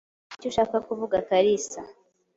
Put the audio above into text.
Hari icyo ushaka kuvuga, Kalisa?